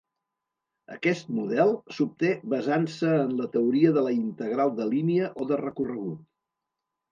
Aquest model s'obté basant-se en la teoria de la integral de línia o de recorregut.